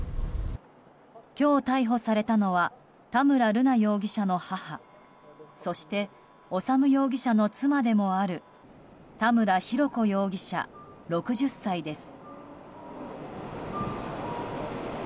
今日、逮捕されたのは田村瑠奈容疑者の母そして修容疑者の妻でもある田村浩子容疑者、６０歳です。